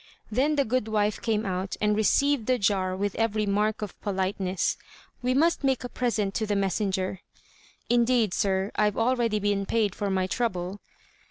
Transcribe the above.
Then the good wife came out, and received the jar with every mark of politeness. "We must make a present to the messenger." "Indeed, sir, I've already been paid for my trouble."